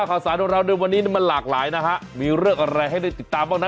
ค่าอ่ะส่งไลน์มาคุยกันแล้วกันคุณผู้ชมค่ะ